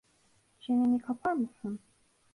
Çeneni kapar mısın?